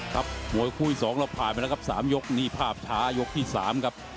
ครับมวยคู่อีก๒เราผ่านไปแล้วครับ๓ยกนี่ภาพช้ายกที่๓ครับ